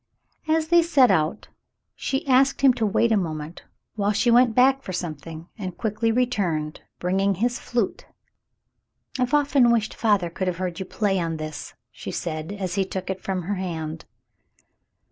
As they set out, she asked him to wait a moment while she went back for something, and quickly returned, bringing his flute. "I've often wished father could have heard you play on this," she said, as he took it from her hand.